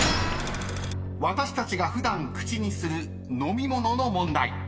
［私たちが普段口にする飲み物の問題］